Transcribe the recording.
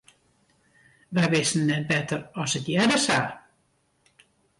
Wy wisten net better as it hearde sa.